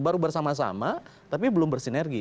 baru bersama sama tapi belum bersinergi